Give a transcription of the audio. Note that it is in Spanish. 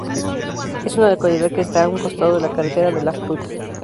Es una localidad que está a un costado de la Carretera de la Fruta.